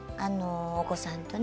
お子さんとね。